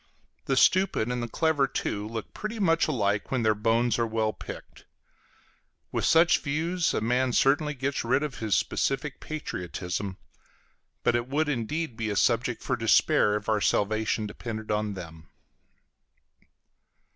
The stupid and the clever, too, look pretty much alike when their bones are well picked. With such views, a man certainly gets rid of his specific patriotism; but it would indeed be a subject for despair if our salvation depended on them.